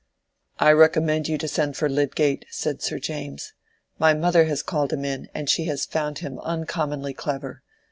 "I recommend you to send for Lydgate," said Sir James. "My mother has called him in, and she has found him uncommonly clever.